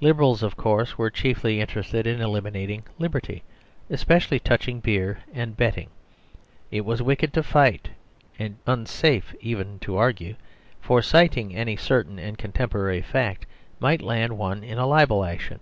Liberals, of course, were chiefly interested in eliminating liberty, especially touching beer and betting. It was wicked to fight, and unsafe even to argue ; for citing any certain and contemporary fact might land one in a libel action.